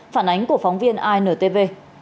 phản ánh của phóng viên intv